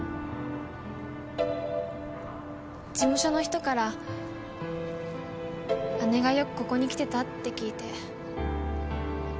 事務所の人から姉がよくここに来てたって聞いて。